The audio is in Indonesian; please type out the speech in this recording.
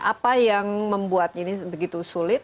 apa yang membuatnya ini begitu sulit